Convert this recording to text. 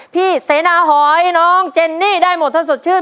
พี่เสนาหอยน้องเจนนี่ได้หมดถ้าสดชื่น